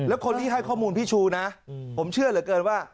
แล้วคนที่ให้ข้อมูลพี่ชูนะผมเชื่อเหลือเกินว่า